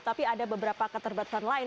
tapi ada beberapa keterbatasan lain